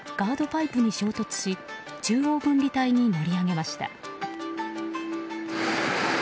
パイプに衝突し中央分離帯に乗り上げました。